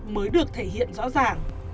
mới được thể hiện rõ ràng